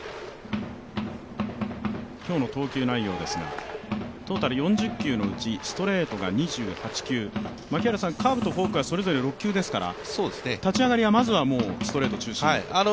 今日の投球内容ですが、トータル４０球のうちストレートが２８球、カーブとフォークはそれぞれ６球ですから立ち上がりはまずはストレート中心。